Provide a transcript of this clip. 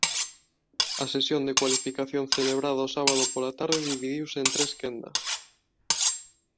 A sesión de cualificación celebrada o sábado pola tarde dividiuse en tres quendas.